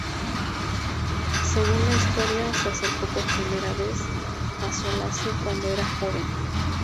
Según la historia, se acercó por primera vez a Solace cuando era joven.